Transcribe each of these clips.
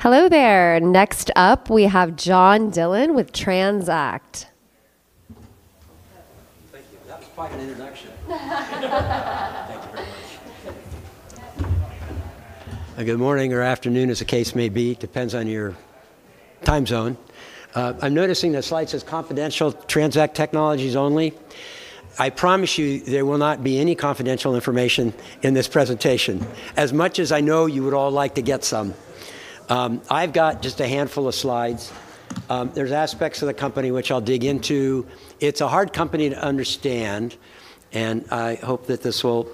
Hello there. Next up, we have John Dillon with TransAct. Thank you. That was quite an introduction. Thank you very much. Good morning or afternoon, as the case may be. Depends on your time zone. I'm noticing the slide says confidential TransAct Technologies only. I promise you there will not be any confidential information in this presentation, as much as I know you would all like to get some. I've got just a handful of slides. There's aspects of the company which I'll dig into. It's a hard company to understand, and I hope that this will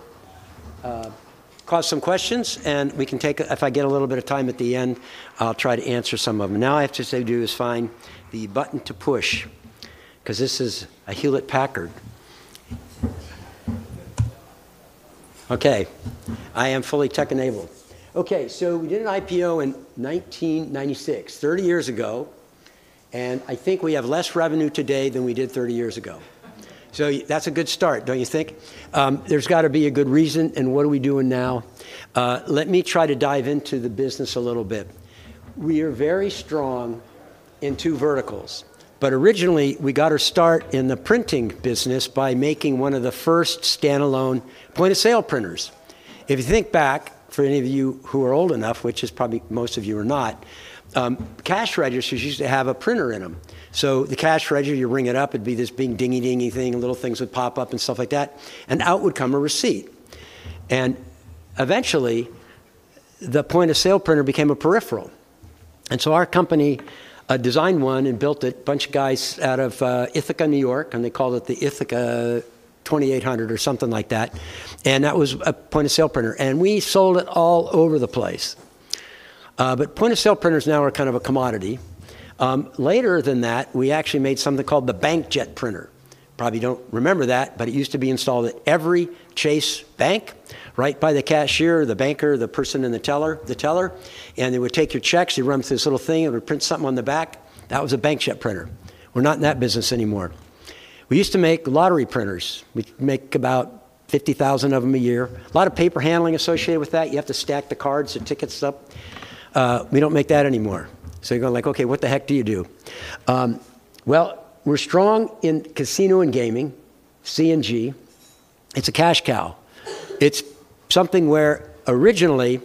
cause some questions. If I get a little bit of time at the end, I'll try to answer some of them. I have to find the button to push 'cause this is a Hewlett-Packard. I am fully tech-enabled. Okay, we did an IPO in 1996, 30 years ago, and I think we have less revenue today than we did 30 years ago. That's a good start, don't you think? There's gotta be a good reason, and what are we doing now? Let me try to dive into the business a little bit. We are very strong in two verticals, but originally, we got our start in the printing business by making 1 of the first standalone point-of-sale printers. If you think back, for any of you who are old enough, which is probably most of you are not, cash registers used to have a printer in them. The cash register, you ring it up, it'd be this big dingy thing, and little things would pop up and stuff like that, and out would come a receipt. Eventually, the point-of-sale printer became a peripheral. Our company designed one and built it, bunch of guys out of Ithaca, New York, and they called it the Ithaca 2800 or something like that. That was a point-of-sale printer, and we sold it all over the place. Point-of-sale printers now are kind of a commodity. Later than that, we actually made something called the BANKjet printer. Probably don't remember that, it used to be installed at every Chase Bank right by the cashier, the banker, the person and the teller, and they would take your checks. You run 'em through this little thing. It would print something on the back. That was a BANKjet printer. We're not in that business anymore. We used to make lottery printers. We'd make about 50,000 of them a year. A lot of paper handling associated with that. You have to stack the cards and tickets up. We don't make that anymore. You're going like, "Okay, what the heck do you do?" We're strong in casino and gaming, C&G. It's a cash cow. It's something where originally,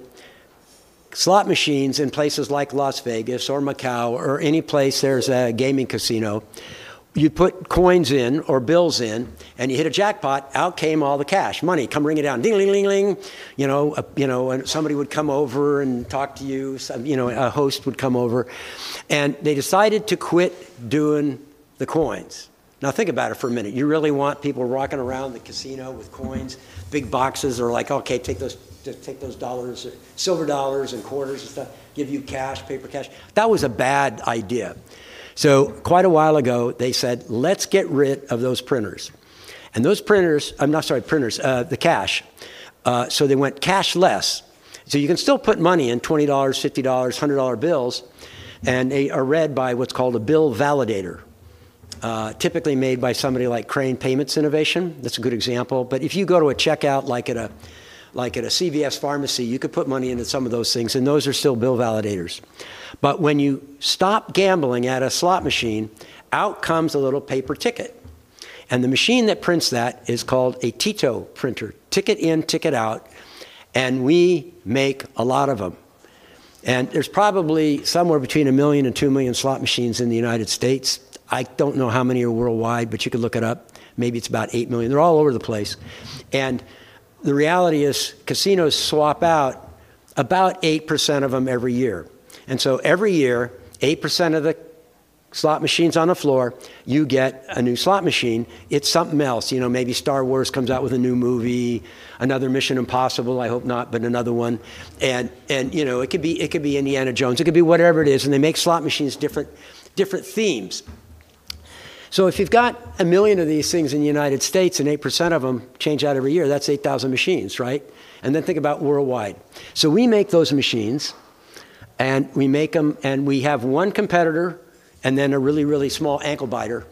slot machines in places like Las Vegas or Macau or any place there's a gaming casino, you'd put coins in or bills in, and you hit a jackpot. Out came all the cash. Money, come ring it down. Ding-a-ling-a-ling, you know, you know, and somebody would come over and talk to you. Some, you know, a host would come over, and they decided to quit doing the coins. Think about it for a minute. You really want people walking around the casino with coins? Big boxes are like, "Okay, take those, just take those dollars, silver dollars and quarters and stuff. Give you cash, paper cash." That was a bad idea. Quite a while ago, they said, "Let's get rid of those printers." Those printers I'm not Sorry, printers. The cash. They went cashless. You can still put money in, $20, $50, $100 bills, and they are read by what's called a bill validator, typically made by somebody like Crane Payment Innovations. That's a good example. If you go to a checkout, like at a CVS Pharmacy, you could put money into some of those things, and those are still bill validators. When you stop gambling at a slot machine, out comes a little paper ticket, and the machine that prints that is called a TITO printer, ticket in, ticket out, and we make a lot of them. There's probably somewhere between 1 million and 2 million slot machines in the United States. I don't know how many are worldwide, but you could look it up. Maybe it's about 8 million. They're all over the place. The reality is casinos swap out about 8% of them every year. Every year, 8% of the slot machines on the floor, you get a new slot machine. It's something else. You know, maybe Star Wars comes out with a new movie, another Mission: Impossible, I hope not, but another one, and, you know, it could be Indiana Jones. It could be whatever it is. They make slot machines different themes. If you've got 1 million of these things in the United States, and 8% of them change out every year, that's 8,000 machines, right? Think about worldwide. We make those machines, and we make them, and we have one competitor and then a really small ankle biter.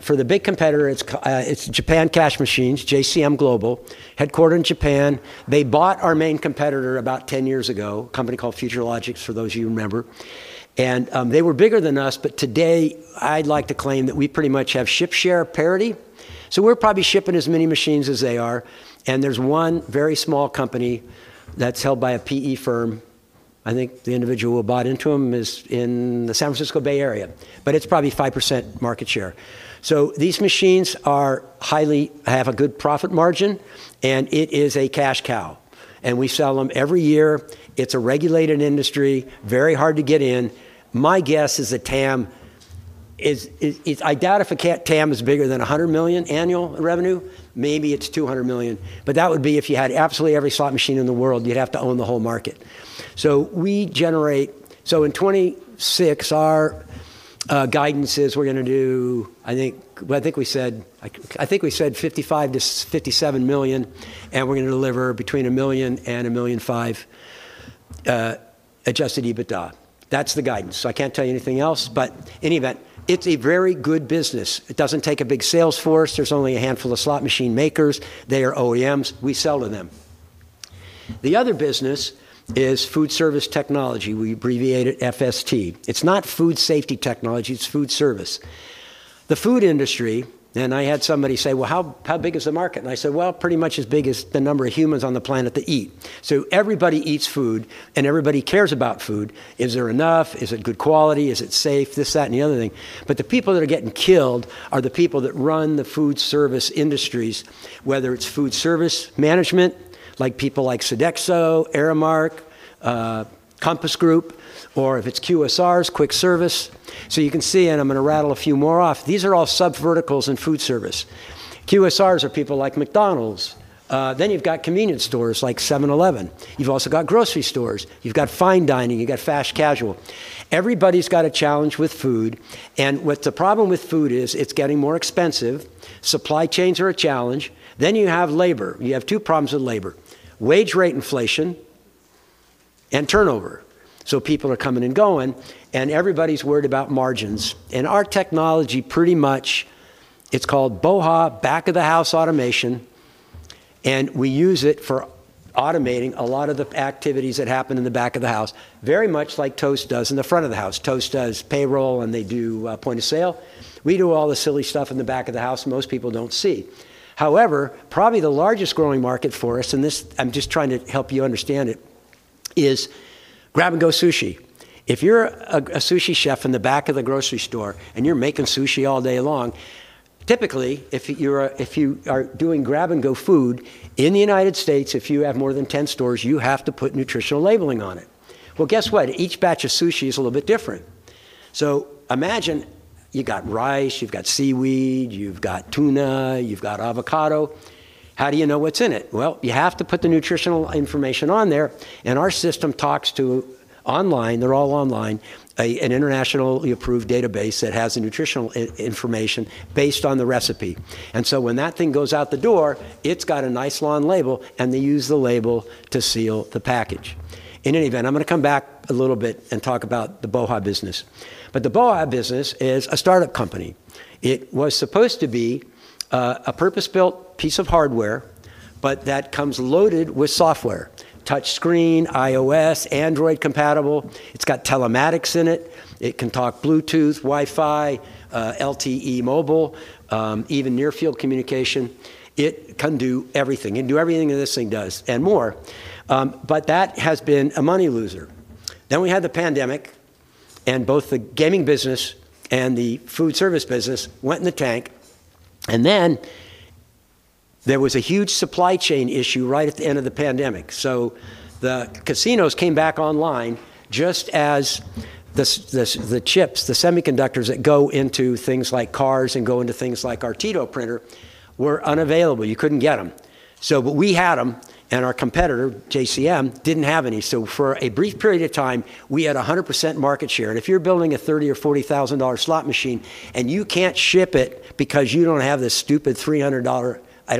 For the big competitor, it's Japan Cash Machines, JCM Global, headquartered in Japan. They bought our main competitor about 10 years ago, a company called FutureLogic, for those of you who remember. They were bigger than us, but today I'd like to claim that we pretty much have share parity. We're probably shipping as many machines as they are, and there's one very small company that's held by a PE firm. I think the individual who bought into them is in the San Francisco Bay Area, but it's probably 5% market share. These machines are highly have a good profit margin, and it is a cash cow, and we sell them every year. It's a regulated industry, very hard to get in. My guess is that TAM is I doubt if a TAM is bigger than $100 million annual revenue. Maybe it's $200 million, but that would be if you had absolutely every slot machine in the world. You'd have to own the whole market. We generate. In 2026, our guidance is we're gonna do, I think, well, I think we said, I think we said $55 million-$57 million, and we're gonna deliver between $1 million and $1.5 million adjusted EBITDA. That's the guidance. I can't tell you anything else, but in any event, it's a very good business. It doesn't take a big sales force. There's only a handful of slot machine makers. They are OEMs. We sell to them. The other business is food service technology. We abbreviate it FST. It's not food safety technology, it's food service. The food industry. I had somebody say, "Well, how big is the market?" I said, "Well, pretty much as big as the number of humans on the planet that eat." Everybody eats food, and everybody cares about food. Is there enough? Is it good quality? Is it safe? This, that, and the other thing. The people that are getting killed are the people that run the food service industries, whether it's food service management, like people like Sodexo, Aramark, Compass Group, or if it's QSRs, quick service. You can see, and I'm gonna rattle a few more off. These are all subverticals in food service. QSRs are people like McDonald's. You've got convenience stores like 7-Eleven. You've also got grocery stores. You've got fine dining. You've got fast casual. Everybody's got a challenge with food. What the problem with food is, it's getting more expensive. Supply chains are a challenge. You have labor. You have two problems with labor: wage rate inflation and turnover. People are coming and going, and everybody's worried about margins. Our technology pretty much, it's called BOHA!, back-of-house automation, and we use it for automating a lot of the activities that happen in the back of the house, very much like Toast does in the front of the house. Toast does payroll, and they do point of sale. We do all the silly stuff in the back of the house most people don't see. Probably the largest growing market for us, and this, I'm just trying to help you understand it, is grab-and-go sushi. If you're a sushi chef in the back of the grocery store and you're making sushi all day long, typically, if you are doing grab-and-go food in the United States, if you have more than 10 stores, you have to put nutritional labeling on it. Well, guess what? Each batch of sushi is a little bit different. Imagine you got rice, you've got seaweed, you've got tuna, you've got avocado. How do you know what's in it? You have to put the nutritional information on there, and our system talks to online, they're all online, an internationally approved database that has the nutritional information based on the recipe. When that thing goes out the door, it's got a nice long label, and they use the label to seal the package. In any event, I'm gonna come back a little bit and talk about the BOHA business. The BOHA business is a startup company. It was supposed to be a purpose-built piece of hardware, but that comes loaded with software. Touchscreen, iOS, Android compatible. It's got telematics in it. It can talk Bluetooth, Wi-Fi, LTE mobile, even near-field communication. It can do everything. It can do everything that this thing does and more. That has been a money loser. We had the pandemic, both the gaming business and the food service business went in the tank. There was a huge supply chain issue right at the end of the pandemic. The casinos came back online just as the chips, the semiconductors that go into things like cars and go into things like our TITO printer, were unavailable. You couldn't get them. We had them, and our competitor, JCM, didn't have any. For a brief period of time, we had 100% market share. If you're building a $30,000 or $40,000 slot machine and you can't ship it because you don't have this stupid $300. I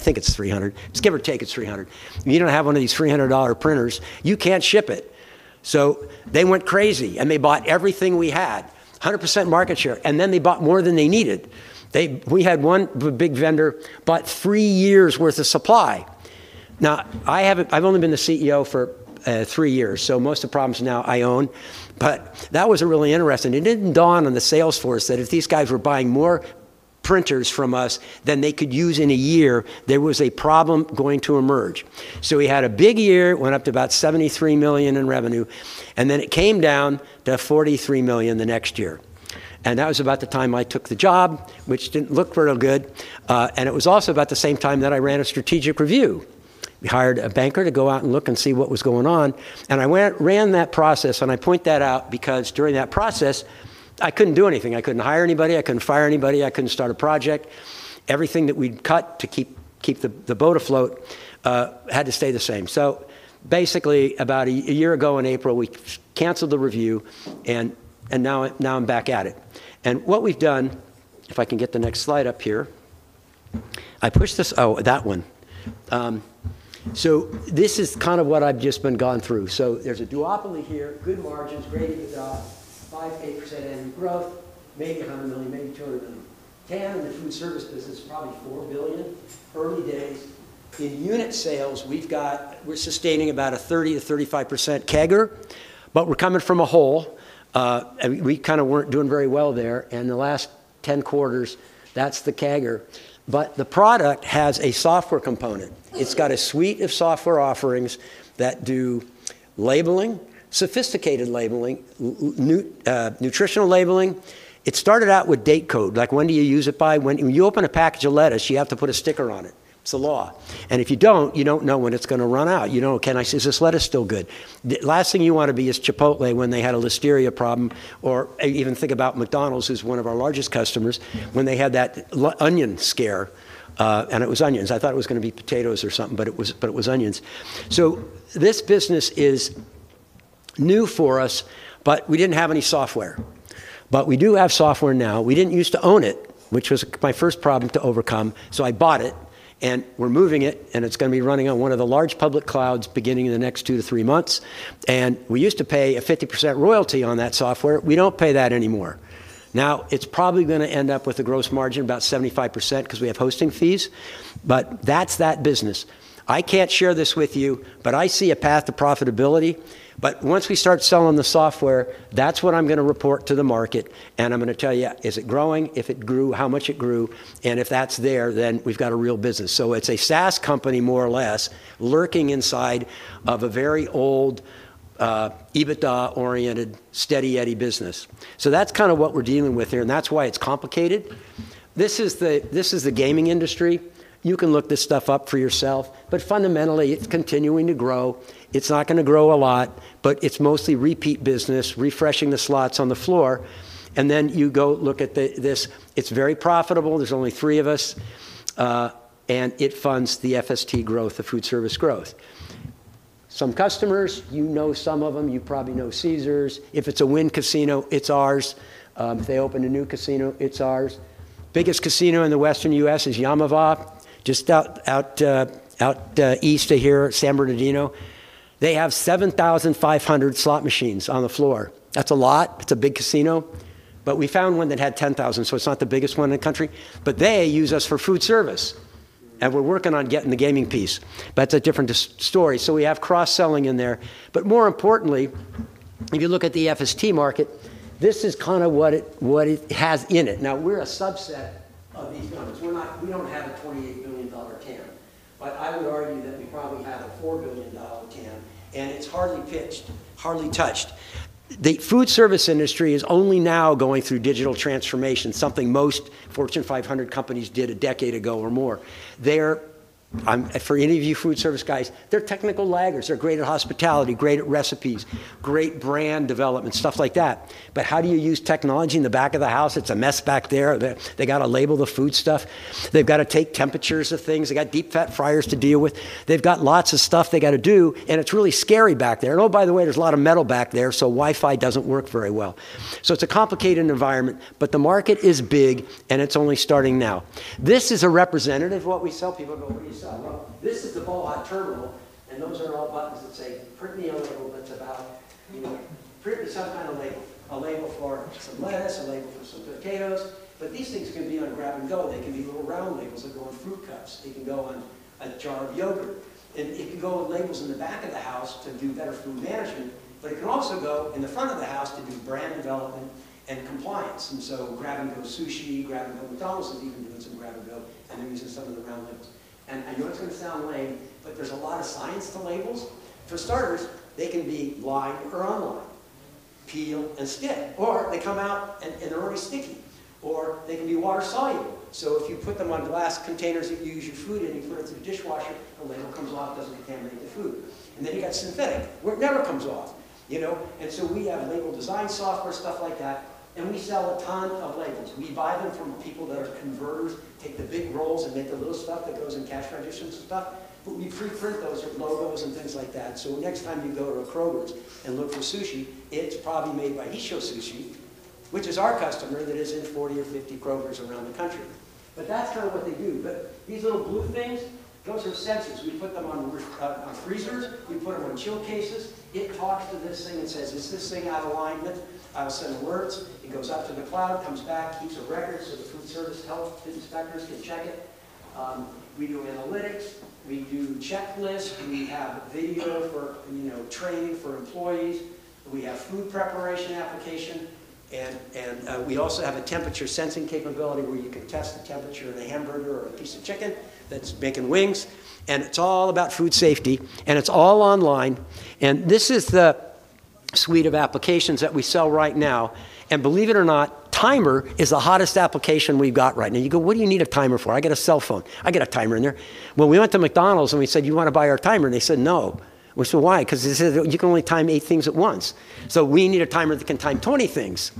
think it's $300. Just give or take it's $300. You don't have one of these $300 printers, you can't ship it. They went crazy, and they bought everything we had. 100% market share, they bought more than they needed. We had one big vendor bought three years' worth of supply. Now, I've only been the CEO for three years, most of the problems now I own. That was a really interesting. It didn't dawn on the sales force that if these guys were buying more printers from us than they could use in a year, there was a problem going to emerge. We had a big year, went up to about $73 million in revenue, it came down to $43 million the next year. That was about the time I took the job, which didn't look real good. It was also about the same time that I ran a strategic review. We hired a banker to go out and look and see what was going on, and I ran that process, and I point that out because during that process, I couldn't do anything. I couldn't hire anybody. I couldn't fire anybody. I couldn't start a project. Everything that we'd cut to keep the boat afloat had to stay the same. Basically, about a year ago in April, we canceled the review and now I'm back at it. What we've done, if I can get the next slide up here, I pushed this. Oh, that one. This is kind of what I've just been gone through. There's a duopoly here, good margins, great EBITDA, 5%-8% annual growth, maybe $100 million, maybe $200 million. TAM in the food service business, probably $4 billion. Early days. In unit sales, we're sustaining about a 30%-35% CAGR, but we're coming from a hole. We kind of weren't doing very well there. In the last 10 quarters, that's the CAGR. The product has a software component. It's got a suite of software offerings that do labeling, sophisticated labeling, nutritional labeling. It started out with date code, like when do you use it by. When you open a package of lettuce, you have to put a sticker on it. It's the law. If you don't, you don't know when it's going to run out. You don't know, is this lettuce still good? The last thing you want to be is Chipotle when they had a listeria problem or even think about McDonald's, who's one of our largest customers. When they had that Listeria scare. It was onions. I thought it was gonna be potatoes or something, it was onions. This business is new for us, but we didn't have any software. We do have software now. We didn't use to own it, which was my first problem to overcome. I bought it, we're moving it's gonna be running on one of the large public clouds beginning in the next two to three months. We used to pay a 50% royalty on that software. We don't pay that anymore. Now, it's probably gonna end up with a gross margin about 75% 'cause we have hosting fees. That's that business. I can't share this with you, but I see a path to profitability. Once we start selling the software, that's what I'm gonna report to the market, and I'm gonna tell you, is it growing? If it grew, how much it grew? If that's there, then we've got a real business. It's a SaaS company, more or less, lurking inside of a very old, EBITDA-oriented steady Eddie business. That's kinda what we're dealing with here, and that's why it's complicated. This is the gaming industry. You can look this stuff up for yourself. Fundamentally, it's continuing to grow. It's not gonna grow a lot, but it's mostly repeat business, refreshing the slots on the floor. You go look at this. It's very profitable. There's only 3 of us, and it funds the FST growth, the food service growth. Some customers, you know some of them. You probably know Caesars. If it's a Wynn casino, it's ours. If they open a new casino, it's ours. Biggest casino in the Western U.S. is Yaamava', just east of here, San Bernardino. They have 7,500 slot machines on the floor. That's a lot. It's a big casino. We found one that had 10,000, so it's not the biggest one in the country. They use us for food service, and we're working on getting the gaming piece. That's a different story. We have cross-selling in there. More importantly, if you look at the FST market, this is kinda what it has in it. Now, we're a subset of these numbers. We don't have a $28 billion TAM. I would argue that we probably have a $4 billion TAM. It's hardly pitched, hardly touched. The food service industry is only now going through digital transformation, something most Fortune 500 companies did a decade ago or more. They're, for any of you food service guys, they're technical laggards. They're great at hospitality, great at recipes, great brand development, stuff like that. How do you use technology in the back of the house? It's a mess back there. They gotta label the food stuff. They've gotta take temperatures of things. They got deep fat fryers to deal with. They've got lots of stuff they gotta do. It's really scary back there. Oh, by the way, there's a lot of metal back there. Wi-Fi doesn't work very well. It's a complicated environment, but the market is big, and it's only starting now. This is a representative of what we sell. People go, "What do you sell?" This is the BOHA! Terminal, and those are all buttons that say, "Print me a label that's about," you know, "Print me some kind of label," a label for some lettuce, a label for some potatoes. These things can be on grab-and-go. They can be little round labels that go on fruit cups. It can go on a jar of yogurt. It can go on labels in the back of the house to do better food management, but it can also go in the front of the house to do brand development and compliance. Grab-and-go sushi, grab-and-go McDonald's is even doing some grab-and-go, and they're using some of the round labels. I know it's going to sound lame, but there's a lot of science to labels. For starters, they can be lined or unlined, peel and stick, or they come out and they're already sticky, or they can be water-soluble. If you put them on glass containers that you use your food in, you put it through the dishwasher, the label comes off, doesn't contaminate the food. Then you got synthetic, where it never comes off, you know. We have label design software, stuff like that, and we sell a ton of labels. We buy them from people that are converters, take the big rolls and make the little stuff that goes in cash registers and stuff. We pre-print those with logos and things like that. Next time you go to a Kroger and look for sushi, it's probably made by Hissho Sushi, which is our customer that is in 40 or 50 Kroger around the country. That's kind of what they do. These little blue things, those are sensors. We put them on freezers. We put them on chill cases. It talks to this thing and says, "Is this thing out of alignment?" I'll send alerts. It goes up to the cloud, comes back, keeps a record so the food service health inspectors can check it. We do analytics. We do checklists. We have video for, you know, training for employees. We have food preparation application and we also have a temperature sensing capability where you can test the temperature of a hamburger or a piece of chicken that's making wings. It's all about food safety, and it's all online. This is the suite of applications that we sell right now. Believe it or not, timer is the hottest application we've got right now. You go, "What do you need a timer for? I got a cell phone. I got a timer in there." Well, we went to McDonald's and we said, "You wanna buy our timer?" They said, "No." We said, "Why?" 'Cause they said, "You can only time 8 things at once." We need a timer that can time 20 things.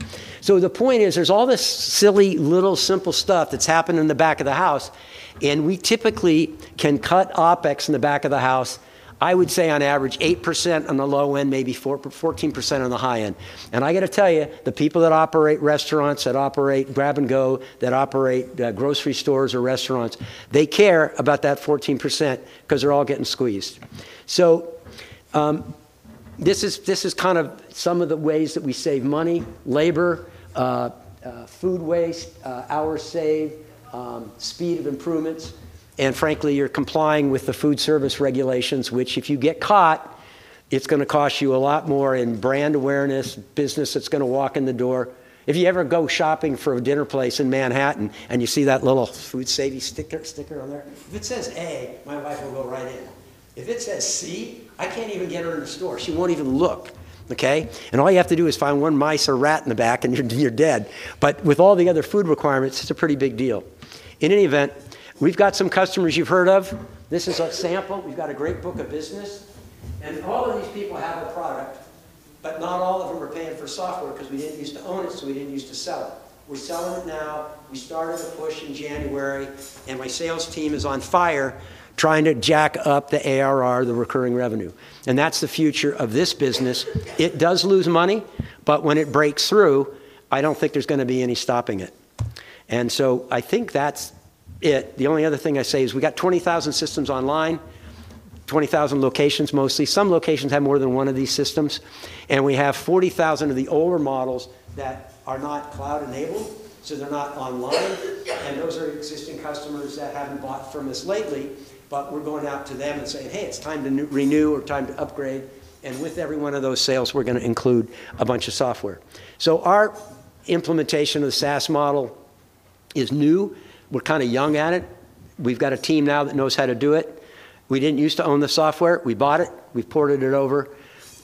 The point is, there's all this silly little simple stuff that's happening in the back of the house, and we typically can cut OpEx in the back of the house, I would say on average 8% on the low end, maybe 14% on the high end. I gotta tell you, the people that operate restaurants, that operate grab-and-go, that operate grocery stores or restaurants, they care about that 14% 'cause they're all getting squeezed. This is kind of some of the ways that we save money, labor, food waste, hours saved, speed of improvements. Frankly, you're complying with the food service regulations, which if you get caught, it's gonna cost you a lot more in brand awareness, business that's gonna walk in the door. If you ever go shopping for a dinner place in Manhattan and you see that little food safety sticker on there, if it says A, my wife will go right in. If it says C, I can't even get her in the store. She won't even look. All you have to do is find one mice or rat in the back and you're dead. With all the other food requirements, it's a pretty big deal. In any event, we've got some customers you've heard of. This is a sample. We've got a great book of business. All of these people have a product, but not all of them are paying for software because we didn't use to own it, so we didn't use to sell it. We're selling it now. We started a push in January, and my sales team is on fire trying to jack up the ARR, the recurring revenue. That's the future of this business. It does lose money, but when it breaks through, I don't think there's gonna be any stopping it. I think that's it. The only other thing I say is we got 20,000 systems online, 20,000 locations mostly. Some locations have more than one of these systems. We have 40,000 of the older models that are not cloud enabled, so they're not online. Those are existing customers that haven't bought from us lately, but we're going out to them and saying, "Hey, it's time to renew or time to upgrade." With every one of those sales, we're gonna include a bunch of software. Our implementation of the SaaS model is new. We're kinda young at it. We've got a team now that knows how to do it. We didn't use to own the software. We bought it. We ported it over.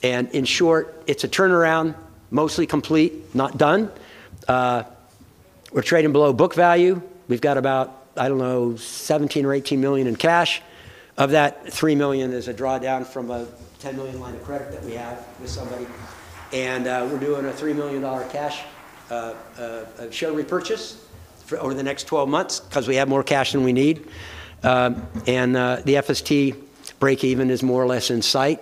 In short, it's a turnaround, mostly complete, not done. We're trading below book value. We've got about, I don't know, $17 million or $18 million in cash. Of that, $3 million is a drawdown from a $10 million line of credit that we have with somebody. We're doing a $3 million cash share repurchase for over the next 12 months 'cause we have more cash than we need. The FST break even is more or less in sight.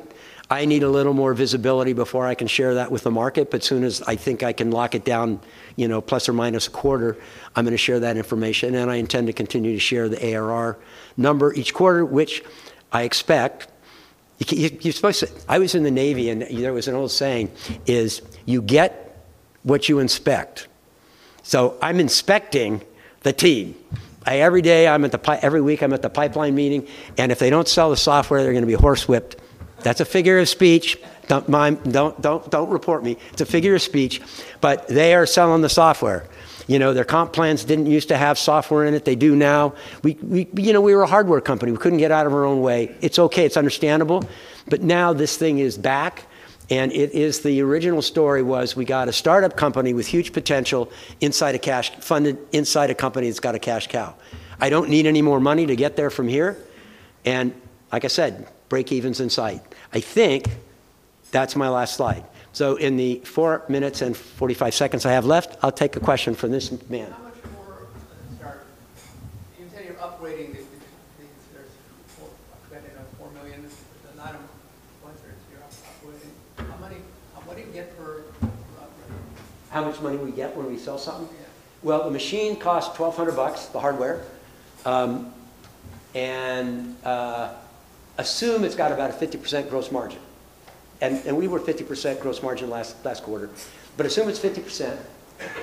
I need a little more visibility before I can share that with the market, soon as I think I can lock it down, you know, plus or minus a quarter, I'm gonna share that information. I intend to continue to share the ARR number each quarter, which I expect you're supposed to I was in the Navy, you know, there was an old saying is, "You get what you inspect." I'm inspecting the team. Every week I'm at the pipeline meeting, if they don't sell the software, they're gonna be horsewhipped. That's a figure of speech. Don't mind, don't report me. It's a figure of speech. They are selling the software. You know, their comp plans didn't use to have software in it. They do now. We, you know, we're a hardware company. We couldn't get out of our own way. It's okay. It's understandable. Now this thing is back, and it is The original story was we got a startup company with huge potential inside a cash Funded inside a company that's got a cash cow. I don't need any more money to get there from here. Like I said, breakeven's in sight. I think that's my last slide. In the 4 minutes and 45 seconds I have left, I'll take a question from this man. How much more of a head start? You say you're upgrading these, there's four, a credit of $4 million. There's a lot of printers you're upgrading. How many you get per upgrade? How much money we get when we sell something? Yeah. The machine costs $1,200, the hardware. Assume it's got about a 50% gross margin, and we were 50% gross margin last quarter. Assume it's 50%,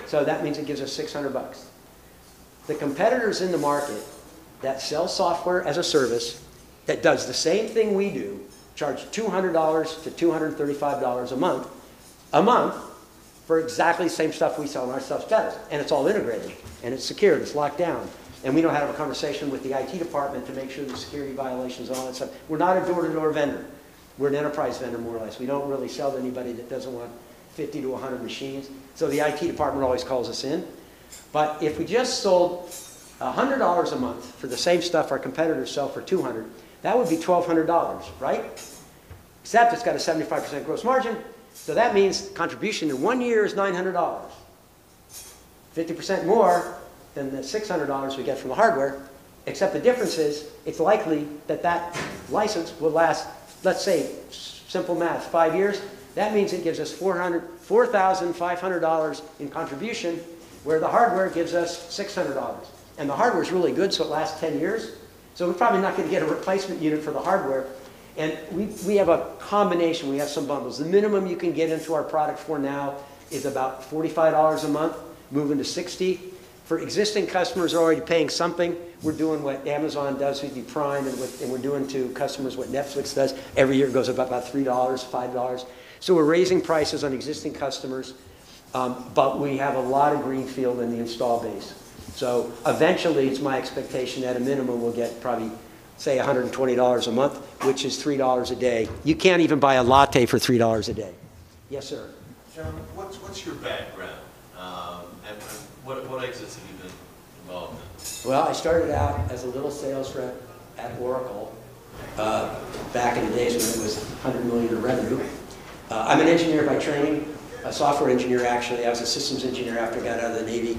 so that means it gives us $600. The competitors in the market that sell software as a service that does the same thing we do charge $200-$235 a month, for exactly the same stuff we sell and our stuff does, and it's all integrated, and it's secured. It's locked down. We don't have a conversation with the IT department to make sure the security validation's on and such. We're not a door-to-door vendor. We're an enterprise vendor, more or less. We don't really sell to anybody that doesn't want 50-100 machines. The IT department always calls us in. If we just sold $100 a month for the same stuff our competitors sell for $200, that would be $1,200, right? Except it's got a 75% gross margin, that means contribution in one year is $900, 50% more than the $600 we get from the hardware, except the difference is it's likely that that license will last, let's say, simple math, five years. That means it gives us $4,500 in contribution, where the hardware gives us $600. The hardware's really good, it lasts 10 years. We're probably not gonna get a replacement unit for the hardware, and we have a combination. We have some bundles. The minimum you can get into our product for now is about $45 a month, moving to $60. For existing customers who are already paying something, we're doing what Amazon does with the Prime and we're doing to customers what Netflix does. Every year it goes up about $3, $5. We're raising prices on existing customers, but we have a lot of green field in the install base. Eventually, it's my expectation at a minimum we'll get probably, say, $120 a month, which is $3 a day. You can't even buy a latte for $3 a day. Yes, sir. John, what's your background? And what exits have you been involved in? Well, I started out as a little sales rep at Oracle, back in the days when it was $100 million in revenue. I'm an engineer by training, a software engineer actually. I was a systems engineer after I got out of the Navy.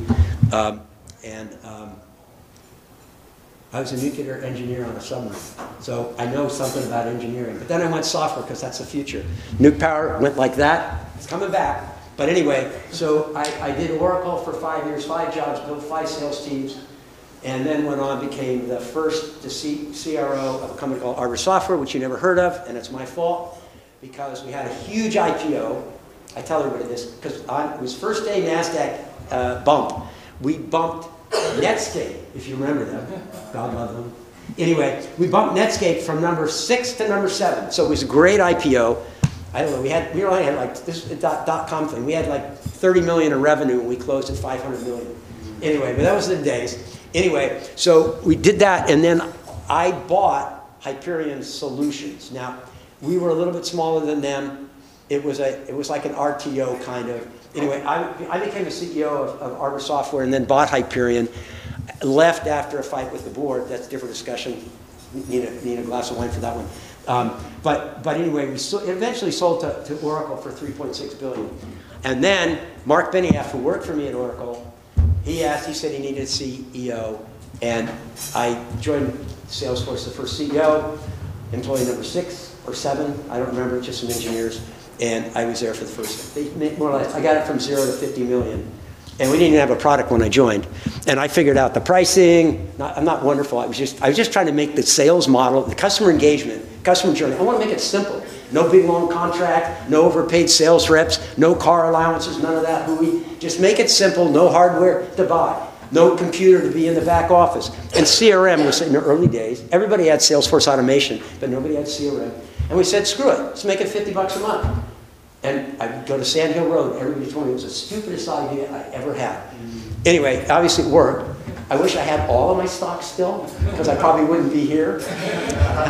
I was a nuclear engineer on a submarine. I know something about engineering. I went software 'cause that's the future. Nuke power went like that. It's coming back. Anyway, I did Oracle for five years, five jobs, built five sales teams, and then went on and became the first CRO of a company called Arbor Software, which you never heard of, and it's my fault because we had a huge IPO. I tell everybody this, 'cause it was first day NASDAQ bump. We bumped Netscape, if you remember them. God love them. We bumped Netscape from number six to number seven. It was a great IPO. We only had this pre-dot-com thing. We had $30 million in revenue, and we closed at $500 million. That was the days. We did that, then I bought Hyperion Solutions. We were a little bit smaller than them. It was an RTO kind of I became the CEO of Arbor Software and then bought Hyperion. Left after a fight with the board. That's a different discussion. You need a glass of wine for that one. We sold eventually sold to Oracle for $3.6 billion. Marc Benioff, who worked for me at Oracle Corporation, he asked, he said he needed a CEO, I joined Salesforce, the first CEO, employee number six or seven. I don't remember, just some engineers. I was there for the first I got it from zero to $50 million. We didn't even have a product when I joined. I figured out the pricing. Not I'm not wonderful. I was just trying to make the sales model, the customer engagement, customer journey. I wanna make it simple. No big, long contract, no overpaid sales reps, no car allowances, none of that hooey. Just make it simple. No hardware to buy. No computer to be in the back office. CRM was in the early days. Everybody had sales force automation, but nobody had CRM. We said, "Screw it. Let's make it $50 a month. I'd go to Sand Hill Road every quarter. It was the stupidest idea I ever had. Anyway, obviously it worked. I wish I had all of my stocks still 'cause I probably wouldn't be here.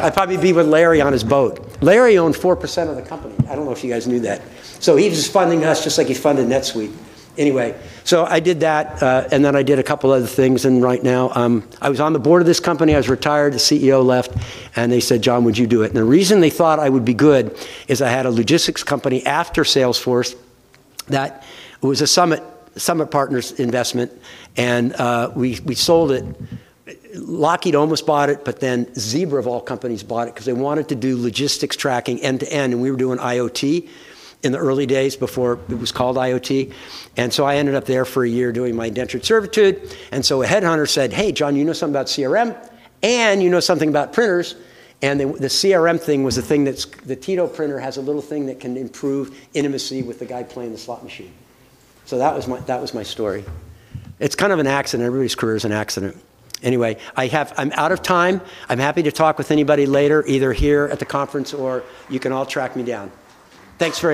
I'd probably be with Larry on his boat. Larry owned 4% of the company. I don't know if you guys knew that. He was funding us just like he funded NetSuite. Anyway, I did that, I did a couple other things, right now, I was on the board of this company. I was retired. The CEO left, and they said, "John, would you do it?" The reason they thought I would be good is I had a logistics company after Salesforce that was a Summit Partners investment, we sold it. Lockheed almost bought it, Zebra of all companies bought it 'cause they wanted to do logistics tracking end to end, and we were doing IoT in the early days before it was called IoT. I ended up there for a year doing my indentured servitude. A headhunter said, "Hey, John, you know something about CRM, and you know something about printers." The TITO printer has a little thing that can improve intimacy with the guy playing the slot machine. That was my story. It's kind of an accident. Everybody's career is an accident. Anyway, I'm out of time. I'm happy to talk with anybody later, either here at the conference or you can all track me down. Thanks very much.